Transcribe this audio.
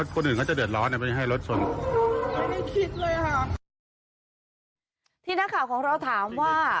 ที่นักข่าวของเราถามว่า